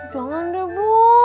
jangan deh bu